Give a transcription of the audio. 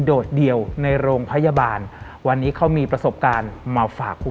โดดเดียวในโรงพยาบาลวันนี้เขามีประสบการณ์มาฝากคุณ